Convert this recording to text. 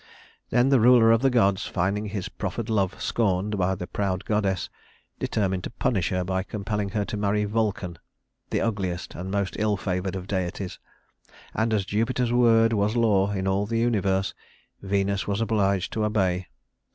Then the ruler of the gods, finding his proffered love scorned by the proud goddess, determined to punish her by compelling her to marry Vulcan, the ugliest and most ill favored of deities; and as Jupiter's word was law in all the universe, Venus was obliged to obey.